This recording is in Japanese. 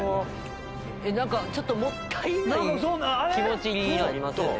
なんかちょっともったいない気持ちになりますよね